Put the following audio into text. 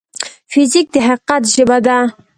فزیک د حقیقت ژبه ده.